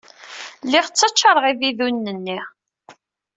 Lliɣ ttacaṛeɣ ibidunen-nni.